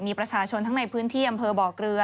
มีประชาชนทั้งในพื้นที่อำเภอบ่อเกลือ